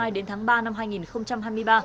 đến tháng ba năm hai nghìn hai mươi ba